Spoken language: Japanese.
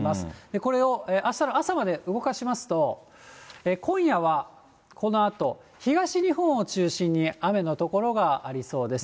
これをあしたの朝まで動かしますと、今夜はこのあと、東日本を中心に雨の所がありそうです。